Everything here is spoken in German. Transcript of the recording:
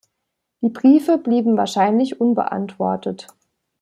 Die Briefe blieben wahrscheinlich unbeantwortet.